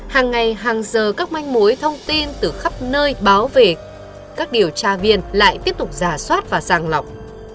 hàng ngày hàng giờ các manh mối thông tin từ khắp nơi báo về các điều tra viên lại tiếp tục giả soát và sàng lọc